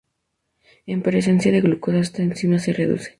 En presencia de glucosa, esta enzima se reduce.